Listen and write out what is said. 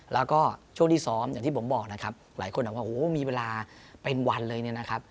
แล้วก็ช่วงที่ซ้อมอย่างที่ผมบอกนะครับหลายคนบอกว่าโอ้โหมีเวลาเป็นวันเลยเนี่ยนะครับ